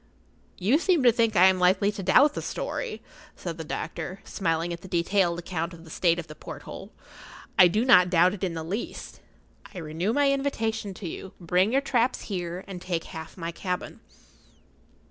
"You seem to think I am likely to doubt the story," said the doctor, smiling at the detailed account of the state of the porthole. "I do not doubt it in the least. I renew my invitation to you. Bring your traps here, and take half my cabin."